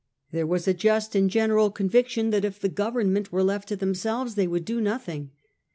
There was a just and general conviction that if the Government were left to themselves they would do nothing.